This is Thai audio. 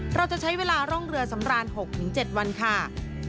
เราจะใช้เวลาร่องเรือสำราน๖๗วันค่ะ